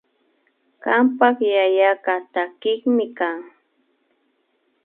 Kanpak yayaka takikmi kan